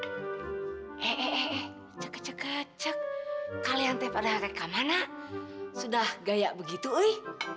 eh eh eh eh cek cek cek cek kalian pada rekam mana sudah gaya begitu wih